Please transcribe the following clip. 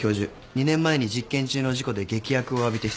２年前に実験中の事故で劇薬を浴びて失明。